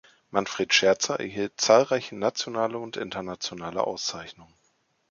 Manfred Scherzer erhielt zahlreiche nationale und internationale Auszeichnungen.